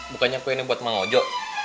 bukannya kuenya buat mang ojo